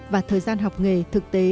và thời gian học nghề thực tế